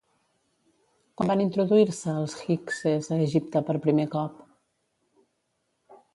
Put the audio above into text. Quan van introduir-se els hikses a Egipte per primer cop?